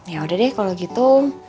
yaudah deh kalau gitu